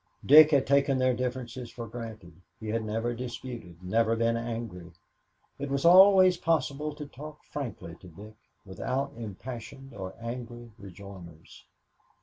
Dick had taken their differences for granted, he had never disputed, never been angry. It was always possible to talk frankly to Dick without impassioned or angry rejoinders.